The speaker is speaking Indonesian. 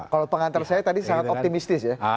kalau pengantar saya tadi sangat optimistis ya